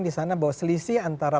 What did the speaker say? di sana bahwa selisih antara